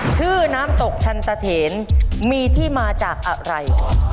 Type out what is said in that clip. น้ำตกชันตะเถนมีที่มาจากอะไร